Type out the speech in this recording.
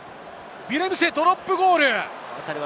ヴィレムセのドロップゴール！